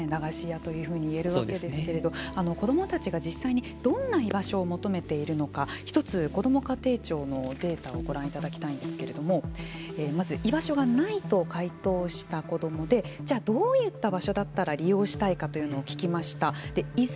その１つがまさに駄菓子屋というふうに言えるわけですけれども子どもたちが実際にどんな居場所を求めているのか１つこども家庭庁のデータをご覧いただきたいんですけれどもまず居場所がないと回答した子どもでじゃあ、どういった場所だったら利用したいかというのを聞きました。